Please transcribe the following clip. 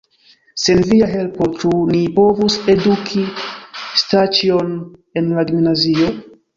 Sen via helpo, ĉu ni povus eduki Staĉjon en la gimnazio?